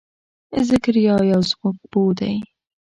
ذکریا یو ځمکپوه دی.